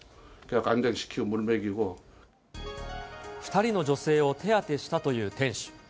２人の女性を手当てしたという店主。